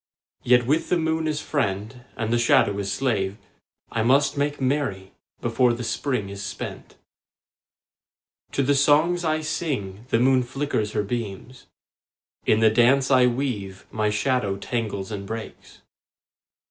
Yet with the moon as friend and the shadow as slave I must make merry before the Spring is spent. To the songs I sing the moon flickers her beams; In the dance I weave my shadow tangles and breaks.